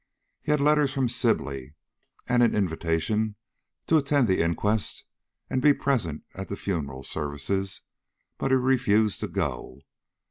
He had letters from Sibley, and an invitation to attend the inquest and be present at the funeral services, but he refused to go.